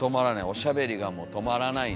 おしゃべりがもう止まらない。